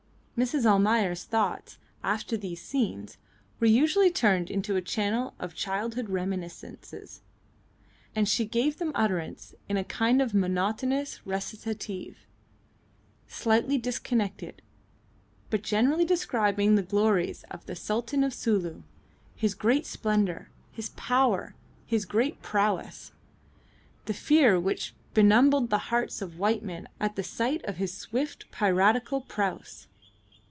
Mrs. Almayer's thoughts, after these scenes, were usually turned into a channel of childhood reminiscences, and she gave them utterance in a kind of monotonous recitative slightly disconnected, but generally describing the glories of the Sultan of Sulu, his great splendour, his power, his great prowess; the fear which benumbed the hearts of white men at the sight of his swift piratical praus.